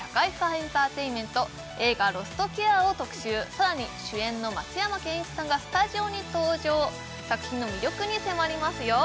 エンターテインメント映画「ロストケア」を特集さらに主演の松山ケンイチさんがスタジオに登場作品の魅力に迫りますよ